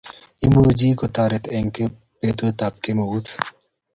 imuchi kotoret eng petutap kemeut